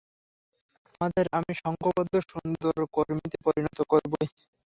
তোমাদের আমি সঙ্ঘবদ্ধ সুন্দর কর্মীতে পরিণত করবই।